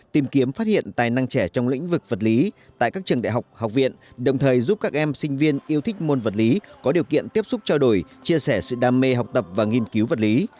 tìm kiếm phát hiện tài năng trẻ trong lĩnh vực vật lý tại các trường đại học học viện đồng thời giúp các em sinh viên yêu thích môn vật lý có điều kiện tiếp xúc trao đổi chia sẻ sự đam mê học tập và nghiên cứu vật lý